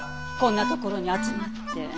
こんなところに集まって。